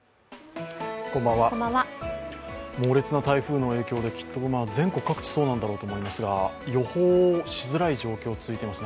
猛烈な台風の影響で、きっと全国各地そうなんだろうと思いますが予報しづらい状況が続いています。